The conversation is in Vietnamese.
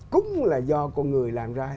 cũng là do con người làm ra